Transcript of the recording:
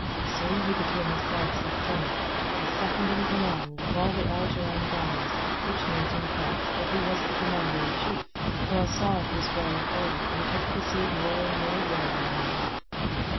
Soon he became Asad's lieutenant, the second in command of all the Algerine galleys, which meant in fact that he was the commander in chief, for Asad was growing old and took the sea more and more rarely now.